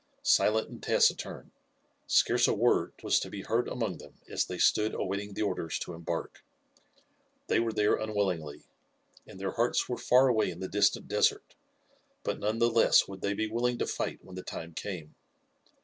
Silent and taciturn, scarce a word was to be heard among them as they stood awaiting the orders to embark; they were there unwillingly, and their hearts were far away in the distant desert, but none the less would they be willing to fight when the time came.